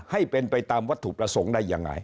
ให้เป็นไปตามวัตถุประสงค์ได้ยังไง